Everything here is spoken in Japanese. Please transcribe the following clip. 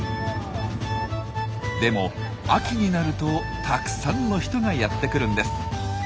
でも秋になるとたくさんの人がやって来るんです。